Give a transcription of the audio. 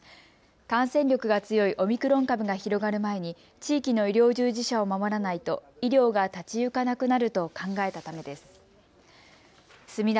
感染力が強いオミクロン株が広がる前に地域の医療従事者を守らないと医療が立ち行かなくなると考えたためです。